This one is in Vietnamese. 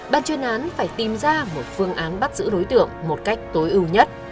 ban chuyên án phải tìm ra một phương án bắt giữ đối tượng một cách tối ưu nhất